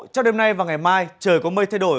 trong đêm nay và ngày mai trời có mây thay đổi